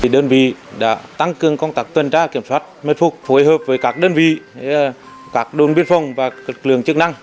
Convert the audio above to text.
đơn vị đã tăng cường công tác tuần tra kiểm soát mệnh phục phối hợp với các đơn vị các đồn biên phòng và lực lượng chức năng